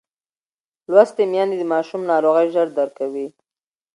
لوستې میندې د ماشوم ناروغۍ ژر درک کوي.